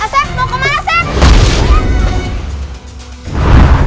aset mau kemana aset